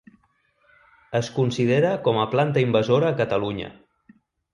Es considera com a planta invasora a Catalunya.